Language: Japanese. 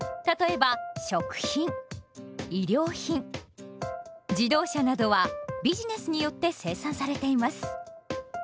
例えば食品衣料品自動車などはビジネスによって生産されています。